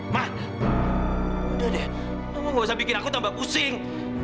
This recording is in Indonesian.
mana udah deh kamu gak usah bikin aku tambah pusing